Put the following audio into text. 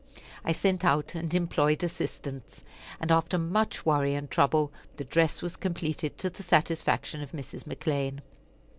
I sent out and employed assistants, and, after much worry and trouble, the dress was completed to the satisfaction of Mrs. McClean.